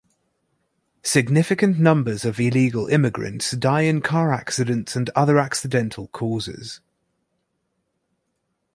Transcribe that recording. Significant numbers of illegal immigrants die in car accidents and other accidental causes.